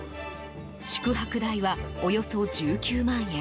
宿泊代はおよそ１９万円。